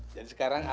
jadi sekarang apa